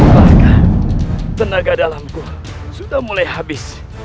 bahkan tenaga dalamku sudah mulai habis